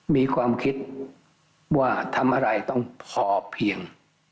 มีความคิดว่าทำอะไรต้องพอเพียง